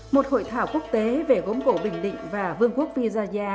một hội thảo quốc tế về gốm cổ bình định và vương quốc visaya